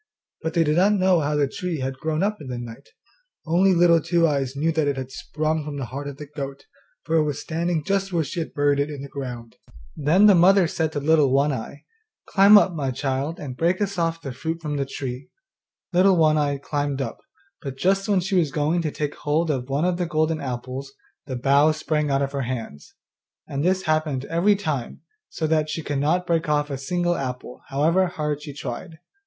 But they did not know how the tree had grown up in the night; only Little Two eyes knew that it had sprung from the heart of the goat, for it was standing just where she had buried it in the ground. Then the mother said to Little One eye, 'Climb up, my child, and break us off the fruit from the tree.' Little One eye climbed up, but just when she was going to take hold of one of the golden apples the bough sprang out of her hands; and this happened every time, so that she could not break off a single apple, however hard she tried.